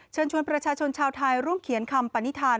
เชิญชวนประชาชนชาวไทยร่วมเขียนคำปณิธาน